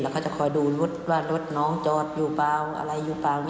เขาจะคอยดูรถว่ารถน้องจอดอยู่เปล่าอะไรอยู่เปล่า